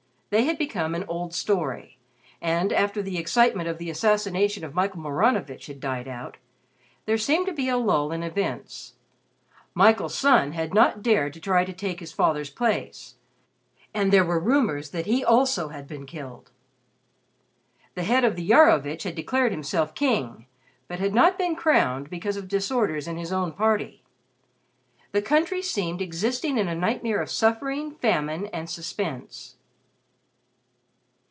They had become an old story, and after the excitement of the assassination of Michael Maranovitch had died out, there seemed to be a lull in events. Michael's son had not dared to try to take his father's place, and there were rumors that he also had been killed. The head of the Iarovitch had declared himself king but had not been crowned because of disorders in his own party. The country seemed existing in a nightmare of suffering, famine and suspense.